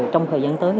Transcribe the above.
trong thời gian tới